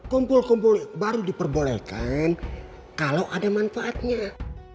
kumpul kumpul baru diperbolehkan kalau ada manfaatnya